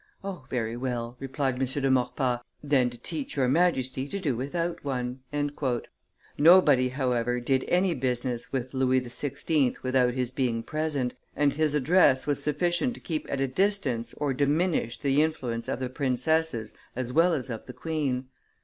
"O, very well," replied M. de Maurepas, "then to teach your Majesty to do without one." Nobody, however, did any business with Louis XVI. without his being present, and his address was sufficient to keep at a distance or diminish the influence of the princesses as well as of the queen.